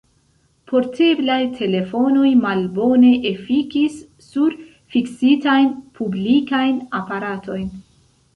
Porteblaj telefonoj malbone efikis sur fiksitajn, publikajn aparatojn.